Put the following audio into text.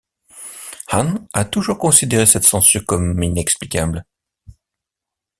Hahn a toujours considéré cette censure comme inexplicable.